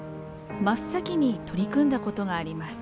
真っ先に取り組んだことがあります。